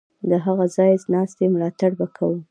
د هغه د ځای ناستي ملاتړ به کوو.